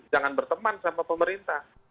jangan berteman sama pemerintah